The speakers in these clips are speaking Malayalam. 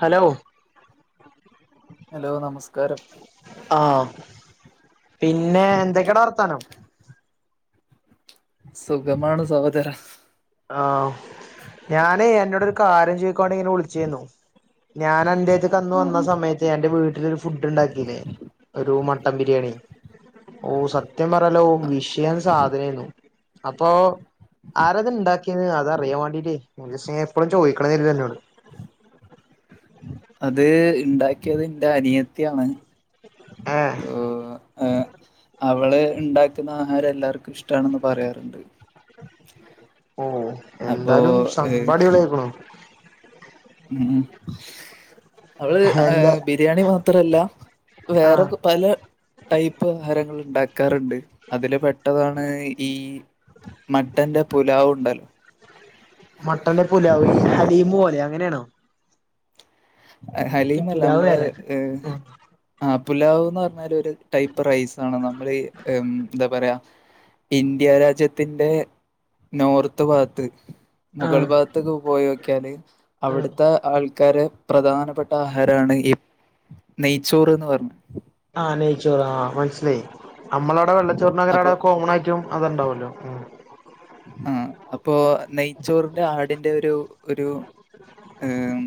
ഹലോ ഹെലോ നമസ്കാരം ആഹ് പിന്നെ എന്തൊക്കെടാ വർത്താനം സുഖമാണ് സഹോദരാ ആഹ് ഓക്കെ ഞാനെ അന്നാേടൊരു കാര്യം ചോയ്ക്കാംവാണ്ടിങ്ങെനെ വിൾച്ചേന്നു ഞാനന്റേത്ത്ക്ക് അന്ന് ആഹ് വന്ന ആഹ് സമയത്ത് എന്റെ വീട്ട്ലൊരു ഫുഡ്ഡ്ണ്ടാക്കീലേ ഒരു മട്ടം ബിര്യാണി ഓ സത്യം പറയാലോ വിഷയം സാധനേന്നു അപ്പോ ആരാത്ണ്ടാ ക്ക്യേനി അതറിയാം വാണ്ടീട്ടേ ഒരുസം ഞാ എപ്പഴും ചോയ്ക്കണം കെര്തും അന്നോട് അത് ഇണ്ടാക്ക്യെത് ഇന്റെ അനിയത്ത്യാണ് ഏഹ് ഏഹ് അവള് ഇണ്ടാക്ക്ന്ന ആഹാരം എല്ലാവർക്കും ഇഷ്ടാണ്ന്ന് പറയാറ്ണ്ട് ഓഹ് അപ്പോ എന്തായാലും ഏഹ് സംഭവടി പൊള്യായ്ക്കുണു ഉം ഉം അവള് എന്താ ആഹ് ബിര്യാണി മാത്രല്ല ആഹ് വേറൊക്കെ പലെ ടൈപ്പ് ആഹാരങ്ങള് ഇണ്ടാക്കാറ്ണ്ട് അതില് പെട്ടതാണ് ഈ മട്ടന്റെ പുലാവ്ണ്ടല്ലോ മട്ടൻന്റെ പുലാവെ ഹലീമ് പോലെ അങ്ങെനേണോ ഹലീമല്ല പുലാവ് അമ്മെള് വേറെ ഏഹ് ഉം ആഹ് പുലാവ്ന്ന് പർഞ്ഞാല് ഒര് ടൈപ്പ് റൈസാണ് നമ്മളീ ഉം ന്താ പറയാ ഇന്ത്യാ രാജ്യത്തിന്റെ നോർത്ത് ഭാഗ്ത്ത് മുകൾ ആഹ് ഭാഗത്തൊക്കെ പോയാേക്ക്യാല് ആഹ് അവിട്ത്തെ ആൾക്കാര് പ്രധാനപ്പെട്ട ആഹാരാണ് ഈ നെയ്ച്ചോറ്ന്ന് പർഞ്ഞ് ആഹ് നെയ്ച്ചോറ് ആഹ് മൻസ്സ്ലായി നമ്മളവ്ടെ അപ്പൊ വെള്ളച്ചോർനകരവ്ടെ കോമണായ്ട്ടും അത്ണ്ടാവാെല്ലോ ഉം അപ്പോ നെയ്ച്ചോർന്റെ ആടിന്റെ ഒരു ഒരു ഏം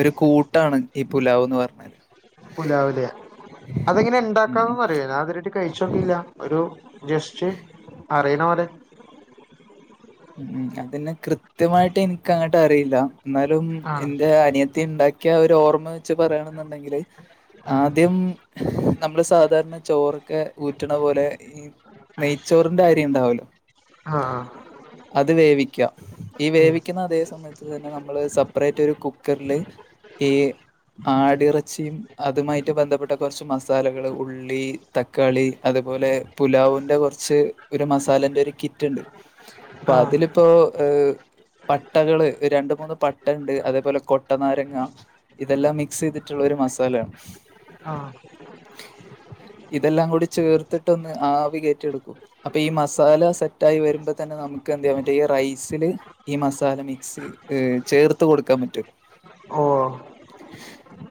ഒര് കൂട്ടാണ് ഈ പുലാവ്ന്ന് പർഞ്ഞാല് പുലാവ്‌ലേ അതെങ്ങെനെ ഉം. ഇണ്ടാക്കണംന്നറിയോ ഞാൻ ഇതെരേയ്ട്ട് കെഴ്ച്ചോക്കീല്ലാ ഒരു ജെസ്റ്റ് അറീണെ പോലെ ഉം അതന്നെ കൃത്യമായ്ട്ട് എനിക്കങ്ങട്ട് അറിയില്ല ന്നാലും ആഹ് എന്റെ അനിയത്തി ഇണ്ടാ ക്ക്യാ ആ ഒര് ഓർമ്മ വെച്ച് പറയണംന്ന്ണ്ടെങ്കില് ആഹ് ആദ്യം നമ്മള് സാധാര്ണ ചോറൊക്കെ ഊറ്റ്ണ പോലെ ഈ നെയ്ച്ചോറിന്റെ അരി ആഹ് ഇണ്ടാവല്ലോ ആഹ് ആഹ് അത് വേവിയ്ക്ക ഈ ഉം വേവിയ്ക്ക്ന്ന അതേ സമയത്ത് തന്നെ നമ്മള് സപ്പ്റേറ്റാെരു കുക്കർല് ഈ ആടിറച്ചിയും അതുമായിട്ട് ബന്ധപ്പെട്ട കാെർച്ച് മസാലകള് ഉള്ളീ തക്കാളി അതുപോലെ പുലാവ്ന്റെ കാെർച്ച് ഒരു മസാലെന്റെ ഒര് കിറ്റ്ണ്ട് പ്പ ആഹ് അതിലിപ്പോ ഏഹ് പട്ടകള് രണ്ട് മൂന്ന് പട്ടണ്ട് അതേപോലെ കൊട്ടനാരങ്ങ ഇതെല്ലാം മിക്സെയ്തിട്ടുള്ളൊര് മസാലയാണ് ആഹ് ഇതെല്ലാം കൂടി ചേർത്തിട്ടൊന്ന് ആവി കേറ്റി എടുക്കും അപ്പ ഈ മസാല സെറ്റായി വെര്മ്പ തന്നെ നമ്ക്കെന്തെയ്യാം പറ്റും ഈ റൈസില് ഈ മസാല മിക്സ് ഏഹ് ചേർത്ത് കൊടുക്കാം പറ്റും [unintelligible]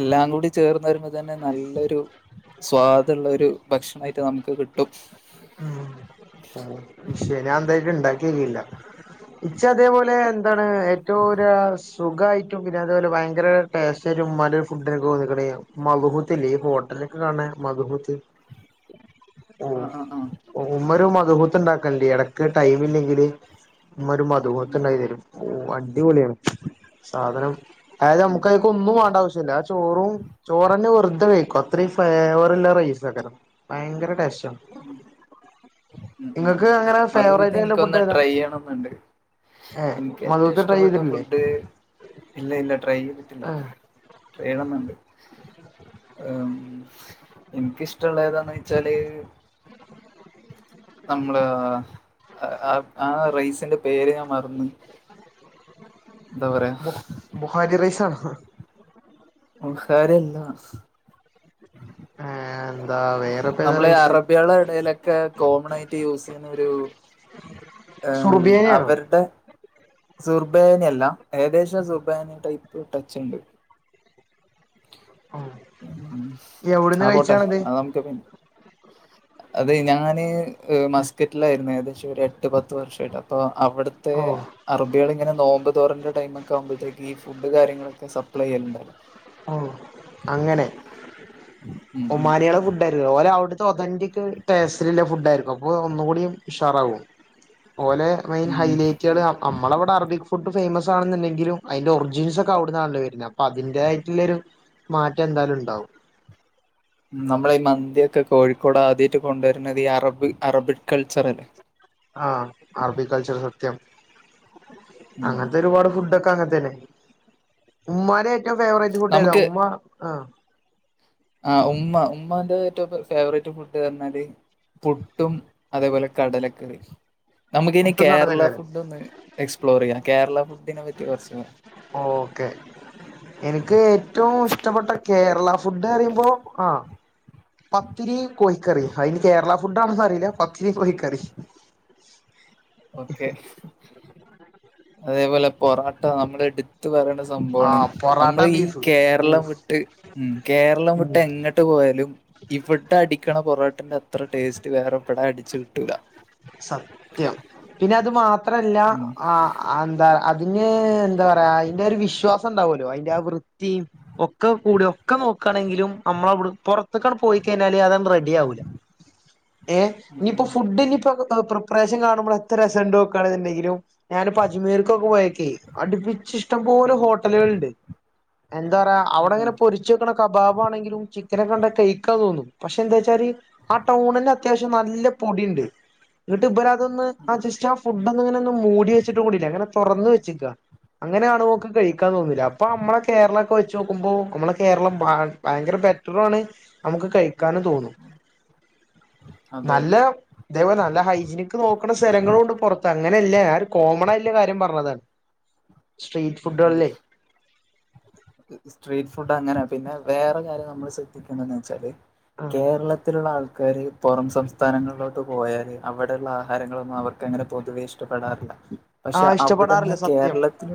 എല്ലാം കൂടി ചേർന്നരുമ്പ തന്നെ നല്ലൊരു സ്വാദുള്ള ഒരു ഭക്ഷണയിട്ട് നമുക്ക് കിട്ടും ഉം പക്ഷെ ഞാൻ എന്തായിട്ട് ഇണ്ടാക്കിയോക്കിയില്ല ഇച്ച അതേപോലെ എന്താണ് ഏറ്റവും ഒരു ആവിശ്യം സുഖായിട്ടും പിന്നെ അതുപോലെ ഭയങ്കര ടേസ്റ്റായിട്ടും ഉമ്മാന്റെ ഒരു ഫുഡ്‌നിക്ക് തോന്നിക്കണ് മധുഹൂത്ത് ഇല്ലേ ഈ ഹോട്ടല് കാണ മധുഹൂത്തി ആഹ് ആഹ് ആഹ് ഉമ്മര മധുഹൂത്തി ഉണ്ടാക്ക കല്ല്യാണൊക്കെ ടൈം ഇല്ലെങ്കില് ഇമ്മ ഒരു ഉം മധുഹൂത്ണ്ടാകി ഉം തെരും. ഓഹ് അടിപൊളിയാണ് സാധനം ആയത് ഉം നമുക്കാഹ് ഒന്നും വേണ്ട ആവശ്യല്ല ആ ചോറും ചോറന്നെ വെർതെ വെയ്ക്കും അത്രീ ഫേവറ്ല്ലെ റെയ്സകാരം. ഭയങ്കര ടേസ്റ്റ ഉം ഉം അങ്ങനെ ഫേവറേറ്റ് മധ്ഹൂത്ത് ആയിട്ടുള്ള എനിക്കൊന്ന് ഫുഡ് ഏതാ ട്രൈ യ്യണംന്ന്ണ്ട്. ഏഹ് എനിക്ക് ഏറ്റവും മദ്ഹൂത്ത് ട്രൈ ഇഷ്ടപ്പെട്ട ചെയ്തിട്ടില്ലേ ഫുഡ് ഇല്ല ഇല്ല ട്രൈ യ്തിട്ടില്ല. ഏഹ് വേണംന്നുണ്ട്. ഏമ് എൻക്കിഷ്ടള്ളെ ഏതാന്ന് ഓയ്ച്ചാല് നമ്മള് ആഹ് ആഹ് റൈസിന്റെ പേര് ഞാ മറന്ന്. ന്താ പറയാ? ഹരിറൈസാണ്. ബുഹാരി അല്ല ഏഹ് ന്ന്. നമ്മള് അറബ്യാളെ എടെലൊക്കെ കോമൺ ആയിട്ട് യൂസ്യ്യുന്ന ഒരു എമ് സുർബിയാനിയാണോ അവര്ടെ സുർബേനി അല്ല ഏകദേശം സുർബേനി ടൈപ്പ് ടച്ച് ണ്ട്. എവിടുന്ന് ആഹ് പോട്ടെ കഴിച്ചാണത് അതം അതെ ഞാന് മാസ്കറ്റ്ലായ്രുന്നു ഏകദേശം ഒര് എട്ട് എട്ട് പത്ത് വർഷയിട്ട് അപ്പൊ അവട്ത്തെ ഓ അറബികൾ ഇങ്ങനെ നോമ്പ്തൊറന്റെ ടൈമ് ഒക്കെ ആകുമ്പോഴ്തേയ്ക് ഈ ഫുഡ് കാര്യങ്ങളൊക്കെ സപ്ലെ യ്യൽണ്ടല്ലോ. ഓഹ് അങ്ങനെ ഉം ഉം ഒമാനിയാളെ ഫുഡ ഓരെ അവുട്ത്തെ ഒതന്റിക് ടേസ്റ്റല്ള്ള ഫുഡ് ആയിരിന്നു അപ്പോ ഒന്നുകൂടി ഉഷാറാവും. ഓലെ മെയിൻ ഉം ഹൈലൈറ്റള് അമ്മള വടെ അറബിക് ഫുഡ് ഫേയ്മസ് ആണെന്ന്ണ്ടെങ്കിലും അയ്ന്റെ ഒറിജിൻസ് ഒക്കെ അവ്ടന്നാണല്ലോ വെര്നെ അപ്പൊ അതിന്റെ ല്ലൊരു മാറ്റം എന്തായാലും ണ്ടാവും. നമ്മളെ ഈ മന്തിയൊക്കെ കോഴിക്കോട് ആദ്യായ്ട്ട് കൊണ്ടോര്ന്നത് ഈ അറബ് അറബിക് കൾച്ചർ അല്ലേ? ആഹ് അറബിക് കൾച്ചർ സത്യം ഉം അങ്ങൻത്തെ ഒരുപാട് ഫുഡ് ഒക്കെ അങ്ങൻത്തന്നെ. ഉമ്മാന്റെ ഏറ്റവും ഫേവറേറ്റ് ഫുഡ് ഏതാ നമുക്ക് ഉമ്മ ആ ആഹ് ഉമ്മ ഉമ്മാന്റെ ഏറ്റവും ഫേവറേറ്റ് ഫുഡ് അർനാല് പുട്ടും അതേപോലെ കടലക്കറിം നമുക്ക് ഇനി പുട്ടും കേരള കടലക്കറിയും ഫുഡ് ഒന്ന് എക്സ്പ്ലോർ യ്യാ കേരള ഫുഡിനെ പറ്റി കൊർച്ച് ഓക്കെ എനിക്ക് ഏറ്റവും ഇഷ്ടപ്പെട്ട കേരള ഫുഡ് അറിയുമ്പോ ആ പത്തിരി കോഴിക്കറി അയിനി കേരള ഫുഡാണെന്ന് അറിയില്ല പത്തിരി കോഴിക്കറി. ഓക്കെ അതേപോലെ പൊറോട്ട നമ്മള് എട് ത്ത് പറയണ്ട സംഭവാണ് ആഹ് പൊറാട്ട അമ്മള് ഈ ബീഫ് കേരളം ഊഫ് വിട്ട് ഉം കേരളം വിട്ട് ഉം എങ്ങട്ട് പോയാലും ഇവടെ അടിക്കണ പൊറോട്ടന്റെ അത്ര ടേസ്റ്റ് വേറെ എവ്ടാ അടിച്ച് കിട്ടൂല. സത്യം പിന്നെ അത് മാത്രല്ല ഉം ആ ആ എന്താ അതിന് എന്താ പറയാ അയ്ന്റെ ഒരു വിശ്വാസം ണ്ടാവുല്ലോ അയ്ന്റെ ആ വൃത്തിം ഒക്കെ കൂടി ഒക്കെ നോക്കാണെങ്കിലും അമ്മളവ്ടെ പൊറത്തേക്കാട് പോയി കഴിഞ്ഞാല് അതങ്ങ് റെഡി ആവൂലെ? ഏ ഉം നിയിപ്പോ ഉം ഫുഡിനിപ്പൊ പ്രിപ്പറേഷൻ കാണുമ്പോ എത്ര രസംണ്ട് നോക്കാണെ ന്ന്ണ്ടെങ്കിലും ഞാനന് പ്പോ അജ്മീർക്കൊക്കെ പോയക്കെ അടുപ്പിച്ച് ഇഷ്ടംപോലെ ഉം ഹോട്ടലുകൾണ്ട് എന്താ പറയാ ഉം ഉം. അവിടെങ്ങനെ പൊരി ച്ചു വെക്കണ കബാബ ആണെങ്കിലും ചിക്കന ഒക്കെ കണ്ട കെയ്ക്കാതോന്നും പക്ഷെ എന്താ ച്ചാല് ആ ടൗണന്നെ അത്യാവശ്യം നല്ല പൊടി ണ്ട് ന്ന്ട്ട് ബര ഇതൊന്ന് ആ ജസ്റ്റ് ആ ഫുഡ് ഒന്ന് ങ്ങനെന്ന് മൂടി വെച്ചിട്ട് കൂടില്ല ങ്ങനെ തൊറന്ന് വെച്ച്ക്ക. അങ്ങനാണോക്ക് കഴിക്കാ തോന്നുല്ല അപ്പൊ അമ്മളെ കേരള ക്കെ വെച്ചു നോക്കുമ്പോ അമ്മളെ കേരളം ദയ ഭയങ്കര ബെറ്ററാ ണ് നമുക്ക് കഴിക്കാനും തോന്നും. അതെ നല്ല ഇതേപോലെ നല്ല ഹൈജിനിക്ക് നോക്ക്ണ സ്ഥലങ്ങളുണ്ട് പുറത്ത്. അങ്ങെനെല്ല, ഞാൻ ഒരു കോമണായില്ല കാര്യം പറഞ്ഞതാ. സ്ട്രീറ്റ് ഫുഡ് കളി ലെയ് സ്ട്രീറ്റ് ഫുഡ് അങ്ങനെ പിന്നെ വേറെരുകാര്യം നമ്മൾ ശ്രദ്ധിക്കെണ്ടെന്താച്ചാല് ആ കേരളത്തി ത്തിലുള്ള ആൾക്കാര് പുറം സംസ്ഥാനങ്ങളിലോട്ട് പോയാല് അവിടെയുള്ള ആഹാരങ്ങളൊന്നും അവർക്കങ്ങനെ പൊതുവേ ഇഷ് ഇഷ്ടപ്പെടാറില്ല, ആ പക്ഷെ അവിടുന്ന് ഇഷ്ടപ്പെടാറില്ല സത്യം കേരളത്തിൽ.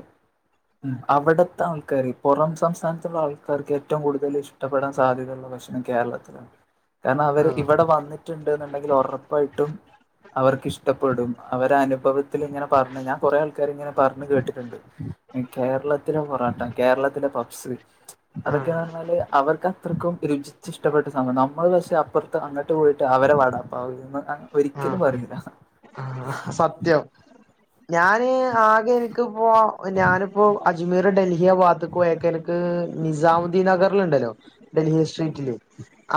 അവിട്ത്തെ ആൾക്കാര് പുറം സംസ്ഥാനത്തുള്ള ആൾക്കാർക്ക് ഏറ്റവും കൂടുതൽ ഇഷ്ടപ്പെടാൻ സാധ്യതയുള്ള ഭക്ഷണം കേരളത്തിലാ. കാരണം ആ അവര് ഇവിടെ വന്നിട്ട്ണ്ട് ന്നുണ്ടെങ്കിൽ ഒറപ്പായിട്ടും. അവർക്ക് ഇഷ്ടപ്പെടും. അവര അനുഭവത്തിൽ ഇങ്ങനെ പറഞ്ഞ് ഞാൻ കുറെ ആൾക്കാര്, ഇങ്ങനെ പറഞ്ഞ് കേട്ടിട്ടുണ്ട്. കേരളത്തിലെ പേറാട്ട കേരള ത്തിലെ പപ്സ് ആ അതൊക്കെന്നറഞ്ഞാല് അവർക്ക് അത്രക്കും രുചി ഇഷ്ടപ്പെട്ട സംഭം നമ്മൾ പക്ഷേ അപ്പർത്ത് അങ്ങട്ട് പോയിട്ട് അവരെ വട ഫൗറുള്ളതാ ആ ഒരിക്കലും പറയൂല. ആ സത്യം ഞാന്.. ആകെ എനിക്ക് പ്പേ.. ഞാനിപ്പോ.. അജ്മീർ, ഡൽഹിയാപാത്ത്ക്ക് പോയക്കെ എനിക്ക് നിസാമുദ്ദീൻ, നഗർല്ണ്ടല്ലോ. ഡൽഹി സ്ട്രീറ്റില്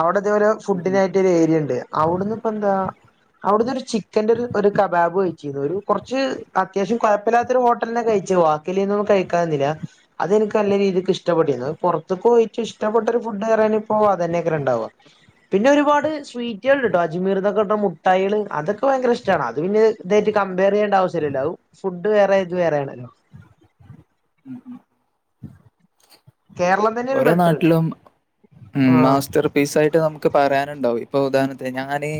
അവിടെ ഇതേപോലെ, ഉം ഉം ഫുഡിനായിട്ട് ഒരു ഏരിയണ്ട്, അവിടുന്ന്പ്പെന്താ. അവിട്ന്നെരു ചിക്കന്റെരു ഒരു കബാബ് കഴിച്ചിരുന്നു. ഒരു കെർച്ച് അത്യാവശ്യം കുഴപ്പില്ലാത്ത ഒരു ഹോട്ടെൽന്ന കഴിച്ചെത് വാ ല്ലിന്നൊന്നും കഴിക്കാനിന്നില്ല. അതെനിക്ക് നല്ല രീതിക്ക് ഇഷ്ടപ്പെട്ടീന്നു. അത് പെർത്ത്ക്കേയിട്ട് ഇഷ്ടപ്പെട്ടൊരു ഫുഡ്ന്ന് പറയാന്പ്പേ, അതന്നെയ്ക്കാരണ്ടാവ. പിന്നെ ഒരുപാട് സ്വീറ്റേൾണ്ട്ട്ടേ അജ്മീർന്നൊക്കെട്ട്ണ മുട് ഠായെള് അതൊക്കെ ഭയങ്കരഇഷ്ടാണ് അത് പിന്നെ ഇതെയിറ്റ് കമ്പെയറ് ചെയ്യെണ്ട ആവിശ്യല്ലല്ലേ. ഫുഡ് വേറെ ഇത് വേറെണല്ലൊ ഉം ഉം കേരളം തന്നെയാണ് ഓരോ ബെറ്റർ നാട്ടിലും, ഉം, ആഹ് മാസ്റ്റർ. പീസായിട്ട് നമുക്ക് പറയാനുണ്ടാവും. ഇപ്പൊ, ഉദാഹരണത്തിന് ഞാന്.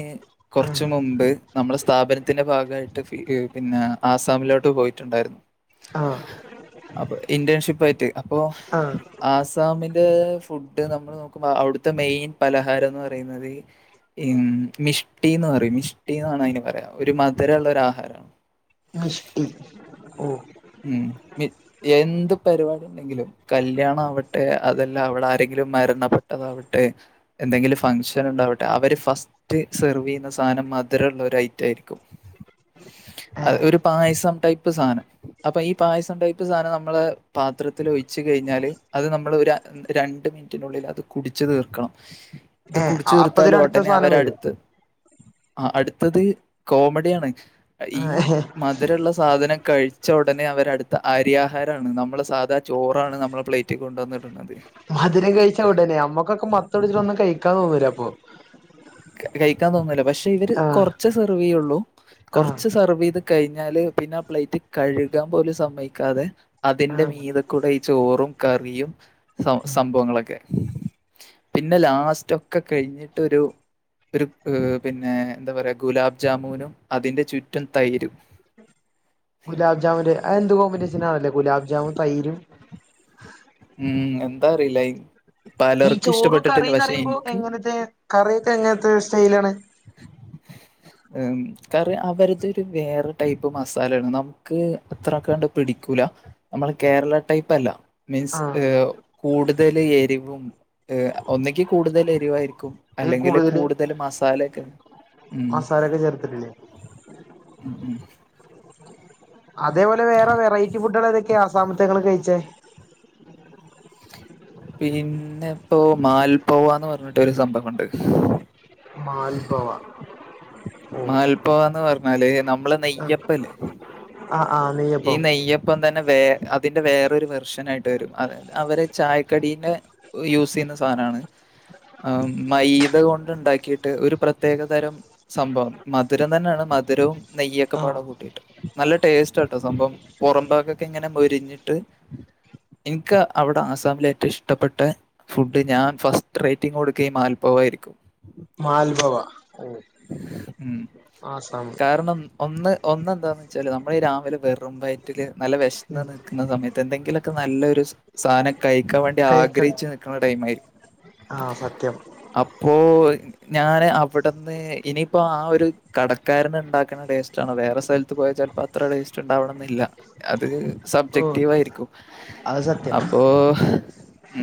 ആഹ് കെർച്ച് മുംമ്പ്. നമ്മളെ സ്ഥാപനത്തിന്റെ ഭാഗായിട്ട് അ് പിന്നെ ആസാമിലോട്ട്. പോയിട്ടുണ്ടായിരുന്നു. ആഹ് അപ്പൊ, ഇന്റേൺഷിപ്പായിറ്റ്, അപ്പൊ. ആഹ് ആസാമില്.. ഫുഡ് നമ്മൾ നോക്കുമ്പേ, അവിട്ത്തെ മെയിൻ. പലഹാരംന്ന് പറയുന്നത്. ഉം മിഷ്ടീന്ന് പറയും മിഷ്ടി ന്നാണ് അയിന് പറയാ ഒരു മധുരള്ളെരാഹാരം. നഷ്ട്ട് ഓ ഉം എന്ത് പരിപാടി കല്യാണവട്ടെ അതല്ല അവളെ ആരെങ്കിലും മരണപ്പെട്ടതാവട്ടെ. എന്തെങ്കിലും ഫംഗ്ഷൻ ണ്ടാവട്ടെ അവെര് ഫസ് റ്റ് സെർവ്വെയ്യുന്ന സാധനം മധുരള്ള ഒരയ്റ്റായിരിക്കും. ഏഹ് ഒരു പായസം ടൈപ്പ് സാനം അപ്പൊ ഈ പായസം ടൈപ്പ് സാനം നമ്മള് പാത്രത്തിലെഴിച്ച് കഴിഞ്ഞാല് അത് നമ്മള് ഒരാ രണ്ട് മിനിറ്റിനുള്ളിൽ അത് കുടിച്ച് തീർക്കണം ഏഹ് കുടിച്ചു അപ്പതിന് തീർത്താലും അടുത്ത ഒടനെ സാധനം വരും അവരടുത്ത് അഹ് അടുത്തത് കോമഡിയാണ് ഈ ആഹ് മധുരള്ള സാധനം കഴി ച്ച ഉടനെ അവര് അടുത്ത അരിയാ ആഹാരാണ് നമ്മള സാധാ ചോറാണ് നമ്മളെ പ്ലേറ്റീ കൊണ്ടെന്നിടുന്നത് മധുരകഴിച്ച ഉടനെ നമ്മക്കെക്കെ മത്തുടിച്ചിട്ടൊന്നും കഴിക്കാൻ തന്നൂലപ്പേ കഴിക്കാൻ തോന്നൂല പക്ഷെ ഇവര് ആഹ് കെർച്ച് സെർവെയ്യെള്ളൂ ആഹ് കെർച്ച് സെർവൈത് കഴിഞ്ഞാല് പിന്നെ ആ പ്ലേറ്റ് കഴികാൻ പോലും സമ്മയ്ക്കാതെ അതിന്റെ ആഹ് മീതക്കൂടെ ചോറും, കറിയും, സംഭവങ്ങളൊക്കെ പിന്നെ ലാസ്റ്റെക്കെ കഴിഞ്ഞിട്ടൊരു ഒര് പിന്നെ എന്താപറയാ ഗുലാബ് ജാമുനും അതിന്റെ ചുറ്റും തൈരും ഗുലാബ് ജാമുല് അ എന്ത് കോമ്പിനേഷെനാണല്ലേ ഗുലാബ് ജാമുൻ തൈരും ഉം എന്താ അറിയില്ല ഈ പലർക്കും ചോറ് ഇഷ്ടപ്പെട്ടിട്ടില്ല പക്ഷെ കറിന്നറയുമ്പോ എനിക്ക് എങ്ങെനത്തെ കറിയൊക്കെ എങ്ങെനത്തെ സ്റ്റൈലാണ്. [inaudible] കറി അവരതൊരു വേറെ ടൈപ്പ് മസാലടണം ക്ക് അത്ര കണ്ട് പിടിക്കൂല നമ്മള കേരള ടൈപ്പ് അല്ല മീൻസ് ആഹ് ഏ കൂടുതൽ എരിവും ഒന്നക്ക് കൂടുതൽ എരിവായിരിക്കും ഈ അല്ലെങ്കില് കൂടുതല് കൂടുതൽ മസാല ഒക്കെ ഉം മസാലൊക്കെ ചേർത്തിട്ടില്ലേ ഉം ഉം അതേപോലെ വേറെ വെററ്റി ഫുഡുകൾ എതൊക്കെയാണ് അസമത്തെ കഴിച്ചേ പിന്നെ ഇപ്പോ മാൽപാവാ പറഞ്ഞിട്ട് ഒരു സംഭവുണ്ട് മാൽപാവ മാൽപാവാ പറഞ്ഞാല് നമ്മള് നെയ്യപ്പല്ലേ ആഹ് ആഹ് ഈ നെയ്യപ്പം നെയ്യപ്പ ഇപ്പം തന്നെ വേ അതിന്റെ വേറൊരു വെർഷന ആയിട്ട് വരും അ അവര് ചായക്കടീന്റെ യൂസ് ചെയ്യുന്ന സാധനമാണ് ആ മയ്ദ കൊണ്ട് ഉണ്ടാക്കിയിട്ട് ഒരു പ്രത്യേക തരം സംഭവം മധുരം തന്നെയാണ് മധുരവും നെയ്യൊക്കെ ആഹ് പാടം കൂട്ടിയിട്ട് നല്ല ടേസ്റ്റ് കേ സംവാഭം പുറമ്പാഗൊക്കെ ഇങ്ങനെ മോരിഞ്ഞിട്ട് എനിക്ക് അവിടെ ആസാമിലെ ഏറ്റവും ഇഷ്ടപ്പെട്ട ഫുഡ് ഞാൻ ഫസ്റ്റ് റേറ്റിംങ് കൊടുക്കുക മൽപവയിരിക്കും മൽപാവ ഉം കാരണം ഒന്ന് ഒന്ന് എന്താന്ന് വെച്ചാല് നമ്മള രാവിലെ വെറും വൈറ്റിൽ നല്ല വിശന്ന് ഉം നിൽക്കുന്ന സമയത്ത് എന്തെങ്കിലുമൊക്കെ നല്ലൊരു സാധനം കഴിക്കാൻ വേണ്ടി കഴിക്ക ആഗ്രഹിച്ചു നിക്കുന്ന ടൈമായിരിക്കും ആഹ് സത്യം അപ്പോ ഞാന് അവിടുന്ന് ഇനിയിപ്പോ ആ ഒരു കടക്കാരന് ഉണ്ടാക്കണ ടേസ്റ്റ് ആണോ വേറെ സ്ഥലത്ത് പ്പോ പോയച്ചാൽപ്പ അത്രടേസ്റ്റ് ഉണ്ടാവണം എന്നില്ല അത് ഓഹ് സബ്ജക്റ്റീവയിരിക്കും അപ്പോ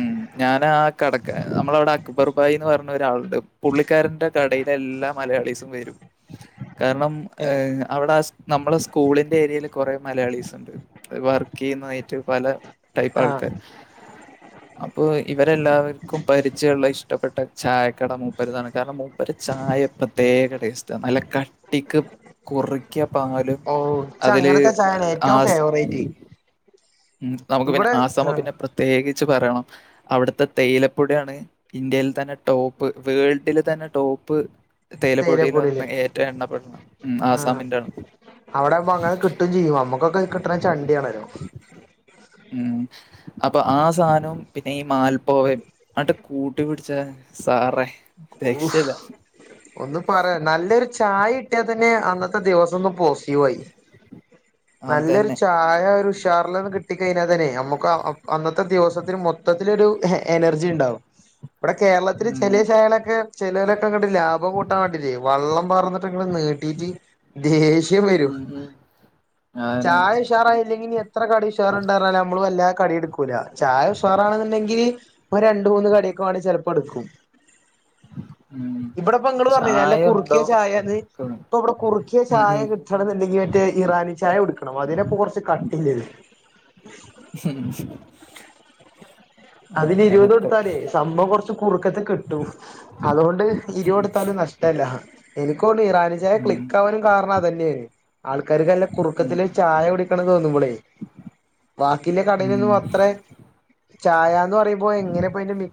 ഉം ഞാൻ ആ കടക്ക് നമ്മള അവിടെ അക്ബർബായിന്ന് പറഞ്ഞ ഒരാളുണ്ട് പുള്ളിക്കാരന്റെ കടയി എല്ലാ മലയാളീസും വരും കാരണം ഏ അവിടെ നമ്മളെ സ്കൂളിന്റെ ഏരിയയിൽ കുറെേ മലയാളീസിണ്ട് വർക്ക് ചെയ്യുന്നായിട്ട് പല ടൈപ്പ് ആ ആൾക്കാർ അപ്പൊ ഇവരെല്ലാവർക്കും പരിചയള്ള ഇഷ്ടപ്പെട്ട ചായ ട മൂപ്പരുതാണ് കാരണം മൂപ്പര ചായ പ്രത്യേക ടേസ്റ്റ നല്ല കട്ടിക്ക് കുറ ക്ക്യ പാലും ഓ ഇച്ച് അതില് അങ്ങനത്തെ ചായയാണ് ഏറ്റവും ആസ് ഫേവറേറ്റ് ഉം നമുക്ക് പിന്നെ ഇവിടെ ആസാമ ആ പിന്നെ പ്രത്യേകിച്ച് പറയണം അവിടുത്തെ തേയിലപ്പൊടിയാണ് ഇന്ത്യയിൽ തന്നെ ടോപ്പ് വേൾഡില് തന്നെ ടോപ്പ് തേയിലപ്പൊടിൽ ഒന്ന് തേയിലപ്പൊടിയില് ഏറ്റവും എണ്ണപ്പെടണം ഉം ആസാമിന്റൊണ് അവിടെ പ്പൊ അങ്ങനെ കിട്ടും ചെയ്യുംമ്മക്കൊക്കെ കിട്ടണ ചണ്ടിയണ് ഉം അപ്പൊ ആ സാനവും പിന്നെ ഈ മാൽപവയും അട്ട് കൂട്ടിപിടിച്ച സാറേ ഓഹ് രക്ഷയില്ല. ഒന്ന് പറയാ നല്ലൊരു ചായ ഇട്ടിയാൽ തന്നെ അന്നത്തെ ദിവസം ഒന്ന് പോസിറ്റീവായി നല്ലൊരു അതന്നെ. ചായ ഒരു ഉഷാറിലന്ന കിട്ട കിട്ടി കഴിഞ്ഞാൽ തന്നെ നമുക്ക് അന്നത്തെ ദിവസത്തിൽ മൊത്തത്തിലൊരു എനർജി ഉണ്ടാവും ഇവിടെ കേരളത്തില് ഉം ചെലെ ചായളോക്കെ ചിലവരൊക്കെ ഇങ്ങട്ട് ലാഭം കൂട്ടാൻ വേണ്ടിട്ടെ വള്ളം പറന്നിട്ടെെങ്ങട്ട് നീ റ്റി ദേഷ്യം വരൂ ഉം ഉം അതന്നെ ചായ ഉഷാറയ്ല്ലെങ്കിനി ഇത്ര കടി ഉഷാറുണ്ടായിരഞ്ഞാ നമ്മള് വല്ലാ കടിയടുക്കൂല ചായ ഉഷാറാണെന്നുണ്ടെങ്കില് ഒരു രണ്ട മൂന്ന് കടിയൊക്കെ വേണിൽ ചിലപ്പോ എടുക്കും ഉം ഇവിടെ ഇപ്പ നിങ്ങള് പറഞ്ഞലെ നല്ല ചായ ഉണ്ടോ കുറുക്കിയ ചായന്ന് ഉം ഇപ്പൊ ഇവിടെ കുറുക്കിയ ചായ ഉം കിട്ട ടന്നുണ്ടെങ്കി മറ്റേ ഇറാനി ചായ ഉടുക്കണം അതിനെപ്പ കുറച്ച് കട്ടില്ലത് [unintelligible] അതിന് ഇരുപത് അങ്ങനത്തെ കൊടുത്താലേ സഭവം കൊറച്ച് കുറുക്കത്തെ കിട്ടും അതുകൊണ്ട് ഇരിവ കൊടുത്താലും നഷ്ടല്ല എനിക്കൊ ഈറാനി ചായ ഉം ക്ലിക്കവാനും കാരണം അതന്നെയ്നി ആൾക്കാർക്കല്ല ഉം കുറുക്കത്തില് ഒരു ചായ കുടിക്കണം തോന്നുമ്പളേ ബാക്കിള്ളെ കടലൊന്നും ഉം അത്രേ ചായന്ന് പറയുമ്പോ എങ്ങനെപ്പൊഅയിന്റെ മി